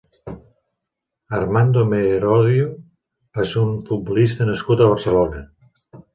Armando Merodio va ser un futbolista nascut a Barcelona.